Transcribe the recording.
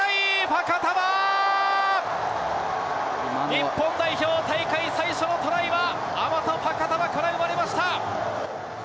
日本代表、大会最初のトライは、アマト・ファカタヴァから生まれました。